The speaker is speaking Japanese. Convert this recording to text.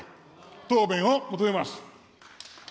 答弁を求めます。